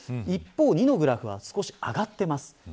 一方、２のグラフは少し上がってます。